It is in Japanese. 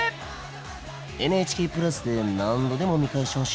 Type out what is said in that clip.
ＮＨＫプラスで何度でも見返してほしいもんね。